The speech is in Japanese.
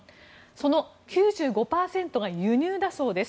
その９５％が輸入だそうです。